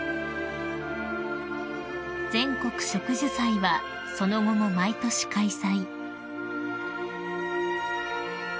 ［全国植樹祭はその後も毎年開催］